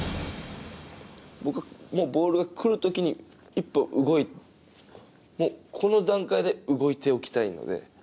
僕はボールがもう来る時に１歩動いてこの段階で動いておきたいので。